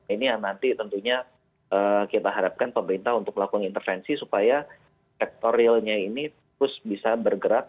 ini yang nanti tentunya kita harapkan pemerintah untuk melakukan intervensi supaya sektor realnya ini terus bisa bergerak